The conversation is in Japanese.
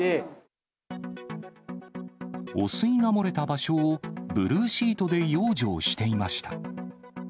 汚水が漏れた場所を、ブルーシートで養生していました。